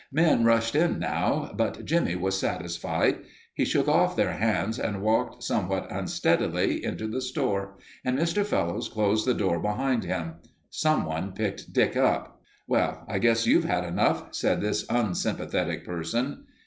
Men rushed in now, but Jimmie was satisfied. He shook off their hands and walked, somewhat unsteadily, into the store, and Mr. Fellowes closed the door behind him. Someone picked Dick up. "Well, I guess you've had enough," said this unsympathetic person.